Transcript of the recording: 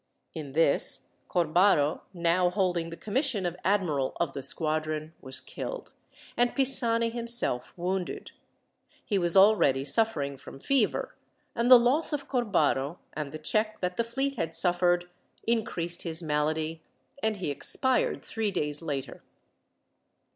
In this, Corbaro, now holding the commission of admiral of the squadron, was killed, and Pisani himself wounded. He was already suffering from fever; and the loss of Corbaro, and the check that the fleet had suffered, increased his malady, and he expired three days later.